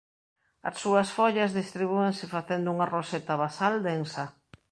As súas follas distribúense facendo unha roseta basal densa.